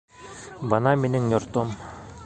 Бына минең йортом